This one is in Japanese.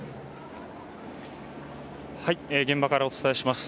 現場からお伝えします。